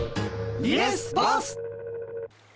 イエスボス！